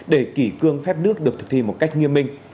để kỷ cương phép nước được thực thi một cách nghiêm minh